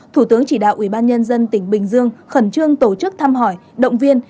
thủ tướng chỉ đạo ubnd tỉnh bình dương khẩn trương tổ chức thăm hỏi động viên